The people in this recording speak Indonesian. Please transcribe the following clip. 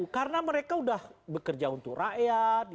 karena mereka sudah bekerja untuk rakyat